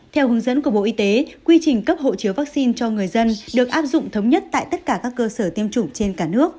theo hướng dẫn của bộ y tế quy trình cấp hộ chiếu vaccine cho người dân được áp dụng thống nhất tại tất cả các cơ sở tiêm chủng trên cả nước